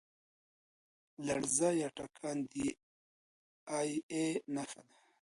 لرزه یا تکان د اې ای نښه ده.